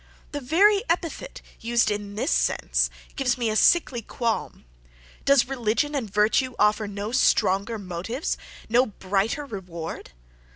the very epithet, used in this sense, gives me a sickly qualm! Does religion and virtue offer no stronger motives, no brighter reward?